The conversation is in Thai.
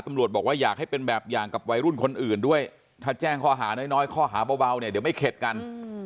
ตำรวจบอกว่าอยากให้เป็นแบบอย่างกับวัยรุ่นคนอื่นด้วยถ้าแจ้งข้อหาน้อยข้อหาเบาเนี่ยเดี๋ยวไม่เข็ดกัน